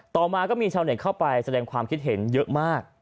ต่อมาก็มีชาวเน็ตเข้าไปแสดงความคิดเห็นเยอะมาก